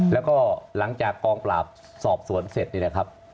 แล้วก็หลังจากกองปราบสอบสวนเสร็จนี่แหละครับ